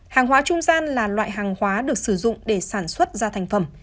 hàng hóa trung gian là loại hàng hóa được sử dụng để sản xuất ra thành phẩm